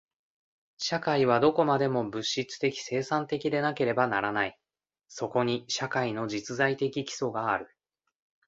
社会はどこまでも物質的生産的でなければならない。そこに社会の実在的基礎がある。